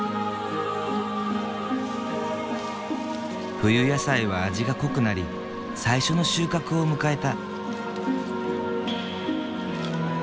冬野菜は味が濃くなり最初の収穫を迎えた。